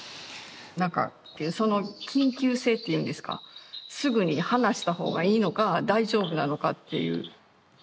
なんかその緊急性っていうんですかすぐに離した方がいいのか大丈夫なのかっていう。